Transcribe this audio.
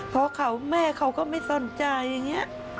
พ่อเขาแม่เขาก็ไม่สนใจอย่างนี้